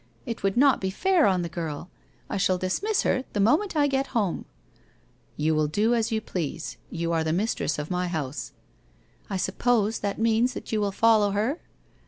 It would not be fair on the girl. I shall dismiss her the moment I get home/ ' You will do as you please. You are the mistress of my house/ ' I suppose that means that you will follow her